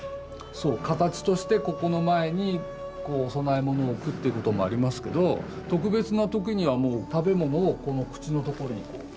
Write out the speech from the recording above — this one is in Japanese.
そう形としてここの前にお供え物を置くっていうこともありますけど特別な時にはもう食べ物を口のところにこう。